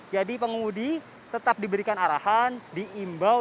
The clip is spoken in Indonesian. jadi pengemudi tetap diberikan arahan diimbas